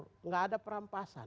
tidak ada perampasan